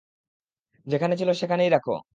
যেখানে ছিল সেখানেই রাখো!